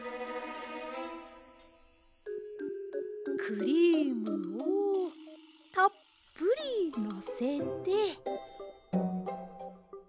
クリームをたっぷりのせて。